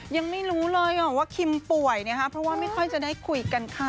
ยังไม่รู้เลยว่าคิมป่วยนะคะเพราะว่าไม่ค่อยจะได้คุยกันค่ะ